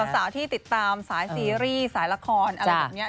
สาวที่ติดตามสายซีรีส์สายละครอะไรแบบนี้